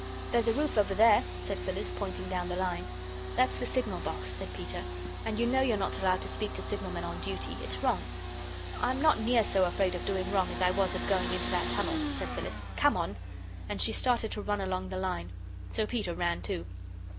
"There's a roof over there," said Phyllis, pointing down the line. "That's the signal box," said Peter, "and you know you're not allowed to speak to signalmen on duty. It's wrong." "I'm not near so afraid of doing wrong as I was of going into that tunnel," said Phyllis. "Come on," and she started to run along the line. So Peter ran, too.